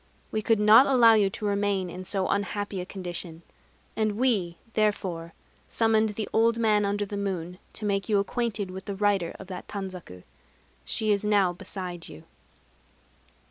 We could not allow you to remain in so unhappy a condition; and We therefore summoned the Old Man under the Moon to make you acquainted with the writer of that tanzaku. She is now beside you."